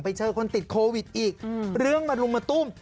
ไปเจอคนติดโควิดอีกเรื่องมารุมมาตุ้ม